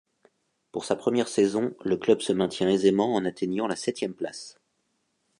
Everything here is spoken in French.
Pour sa première saison, le club se maintient aisément en atteignant la septième place.